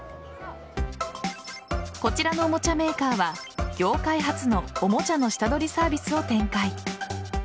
こちらのおもちゃメーカーは業界初のおもちゃの下取りサービスを展開。